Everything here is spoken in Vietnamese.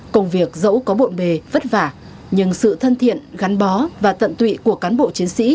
công việc dẫu có bộn bề vất vả nhưng sự thân thiện gắn bó và tận tụy của cán bộ chiến sĩ